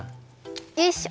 よいしょ。